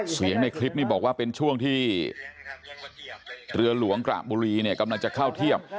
ในคลิปนี้บอกว่าเป็นช่วงที่เรือหลวงกระบุรีเนี่ยกำลังจะเข้าเทียบ